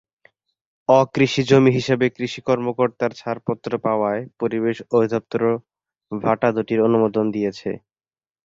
অকৃষিজমি হিসেবে কৃষি কর্মকর্তার ছাড়পত্র পাওয়ায় পরিবেশ অধিদপ্তরও ভাটা দুটির অনুমোদন দিয়েছে।